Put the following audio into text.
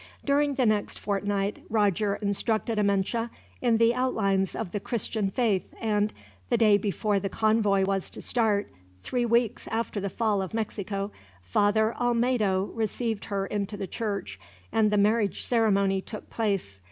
During the next fortnight, Roger instructed Amenche in the outlines of the Christian faith and, the day before the convoy was to start, three weeks after the fall of Mexico, Father Olmedo received her into the Church, and the marriage ceremony took place.